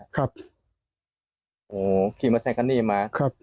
น้องเขาขี่มอเตอร์ไซค์เอรี่ปุ่นมาเองหรือครับ